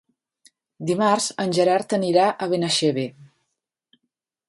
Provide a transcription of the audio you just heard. Dimarts en Gerard anirà a Benaixeve.